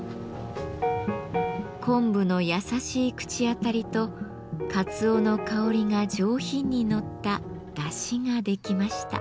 昆布の優しい口当たりとかつおの香りが上品にのっただしができました。